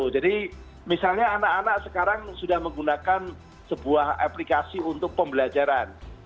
jadi misalnya anak anak sekarang sudah menggunakan sebuah aplikasi untuk pembelajaran